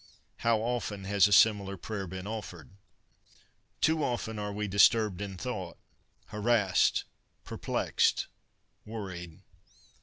How often has a similar prayer been offered ! Too often are we disturbed in thought — harassed, perplexed, worried.